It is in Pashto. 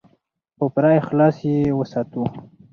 په پوره اخلاص یې وساتو.